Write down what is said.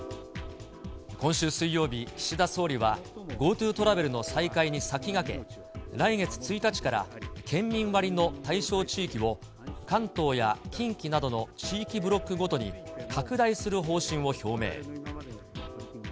今週水曜日、岸田総理はＧｏＴｏトラベルの再開に先駆け、来月１日から、県民割の対象地域を、関東や近畿などの地域ブロックごとに拡大する方針を表明。